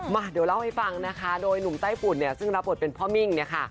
มาเดี๋ยวเล่าให้ฟังนะคะโดยหนุ่มไต้ฝุ่นเนี่ยซึ่งรับบทเป็นพ่อมิ่งเนี่ยค่ะ